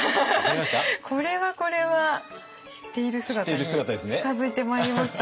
これはこれは知っている姿に近づいてまいりました。